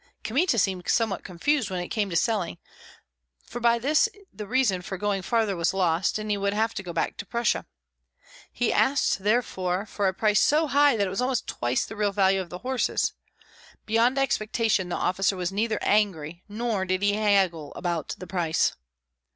Kmita seemed somewhat confused when it came to selling, for by this the reason for going farther was lost, and he would have to go back to Prussia. He asked therefore a price so high that it was almost twice the real value of the horses. Beyond expectation the officer was neither angry, nor did he haggle about the price.